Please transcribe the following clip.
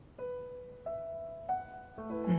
うん。